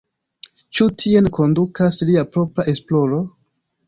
Ĉu tien kondukas lia propra esploro?